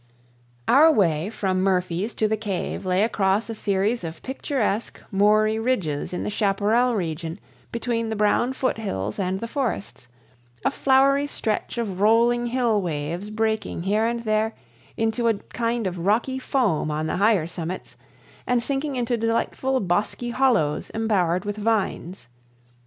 Our way from Murphy's to the cave lay across a series of picturesque, moory ridges in the chaparral region between the brown foot hills and the forests, a flowery stretch of rolling hill waves breaking here and there into a kind of rocky foam on the higher summits, and sinking into delightful bosky hollows embowered with vines.